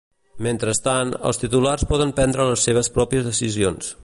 Mentrestant, els titulars poden prendre les seves pròpies decisions.